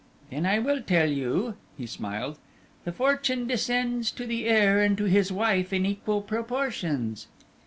"Then I will tell you." He smiled. "The fortune descends to the heir and to his wife in equal proportions."